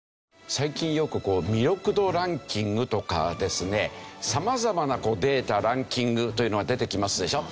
最近よくこう魅力度ランキングとかですね様々なデータランキングというのが出てきますでしょ？